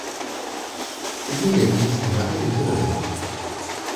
Il égalise et marie les phénomènes.